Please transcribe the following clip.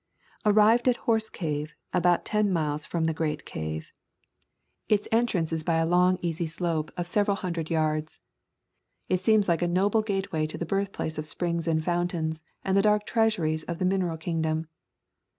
« Arrived at Horse Cave, about ten miles from the great cave. The entrance is by a long easy A Thousand Mile Walk slope of several hundred yards. It seems like a noble gateway to the birthplace of springs and fountains and the dark treasuries of the mineral kingdom.